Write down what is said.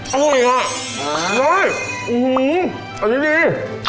อร่อยก็อือหืออันนี้ดี